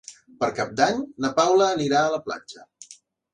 Per Cap d'Any na Paula anirà a la platja.